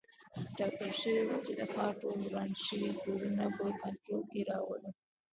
ټاکل شوي وه چې د ښار ټول وران شوي کورونه په کنټرول کې راولو.